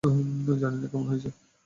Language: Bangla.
জানিনা কেমন হয়েছে।